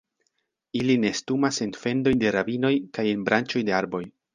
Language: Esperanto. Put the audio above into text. Ili nestumas en fendoj de ravinoj kaj en branĉoj de arboj.